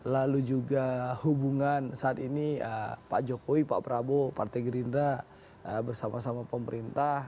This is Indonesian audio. lalu juga hubungan saat ini pak jokowi pak prabowo partai gerindra bersama sama pemerintah